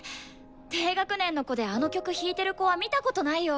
低学年の子であの曲弾いてる子は見たことないよ。